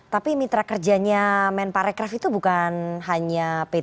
tapi mitra kerjanya men parekraf itu bukan hanya p tiga